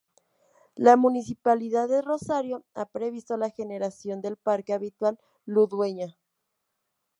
La Municipalidad de Rosario, ha previsto la generación del Parque Habitacional Ludueña.